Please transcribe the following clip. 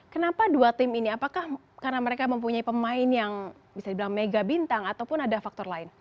kenapa dua tim ini apakah karena mereka mempunyai pemain yang bisa dibilang mega bintang ataupun ada faktor lain